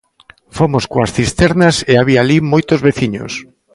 Fomos coas cisternas e había alí moitos veciños.